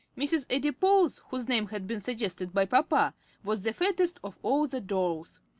Mrs. Adipose, whose name had been suggested by papa, was the fattest of all the dolls.